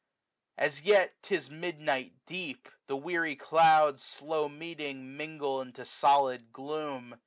As yet 't is midnight deep. The weary clouds. Slow meeting, mingle into solid gloom.